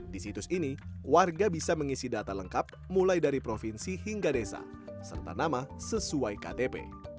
di situs ini warga bisa mengisi data lengkap mulai dari provinsi hingga desa serta nama sesuai ktp